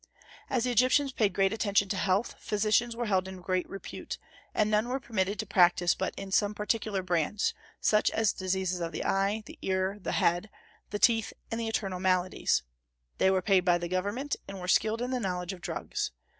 As the Egyptians paid great attention to health, physicians were held in great repute; and none were permitted to practise but in some particular branch, such as diseases of the eye, the ear, the head, the teeth, and the internal maladies. They were paid by government, and were skilled in the knowledge of drugs.